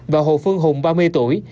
và hồ phương hùng ba mươi tuổi